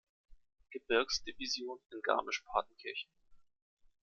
Gebirgsdivision" in Garmisch-Partenkirchen.